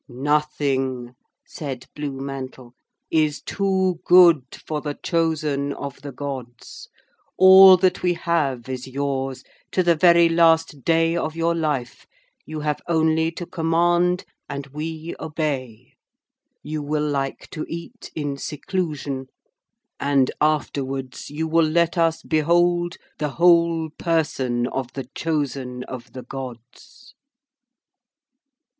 'Nothing,' said Blue Mantle, 'is too good for the Chosen of the Gods. All that we have is yours, to the very last day of your life you have only to command, and we obey. You will like to eat in seclusion. And afterwards you will let us behold the whole person of the Chosen of the Gods.'